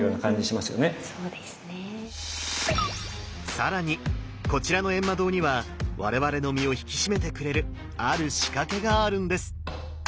更にこちらの閻魔堂には我々の身を引き締めてくれるある仕掛けがあるんです！